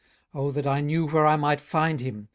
18:023:003 Oh that I knew where I might find him!